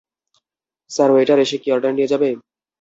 Sir, waiter এসে কি order নিয়ে যাবে?